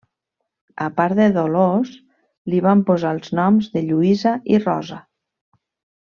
A part de Dolors li van posar els noms de Lluïsa i Rosa.